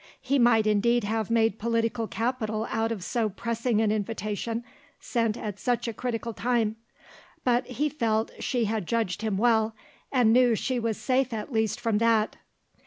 He might indeed have made political capital out of so pressing an invitation sent at such a critical time; but he felt she had judged him well, and knew she was safe at least from that.